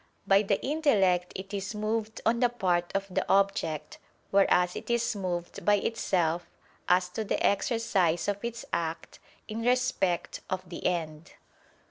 By the intellect it is moved on the part of the object: whereas it is moved by itself, as to the exercise of its act, in respect of the end.